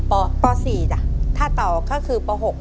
ปป๔จ้ะถ้าต่อก็คือป๖